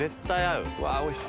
うわおいしそ。